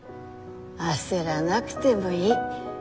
焦らなくてもいい。